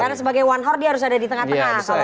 karena sebagai one heart dia harus ada di tengah tengah